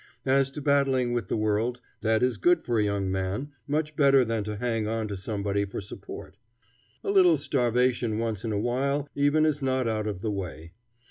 As to battling with the world, that is good for a young man, much better than to hang on to somebody for support A little starvation once in a while even is not out of the way.